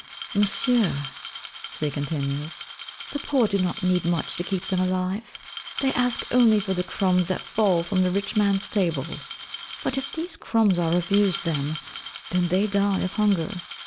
Monsieur (she continues), the poor do not need much to keep them alive; they ask only for the crumbs that fall from the rich man's table, but if these crumbs are refused them, then they die of hunger!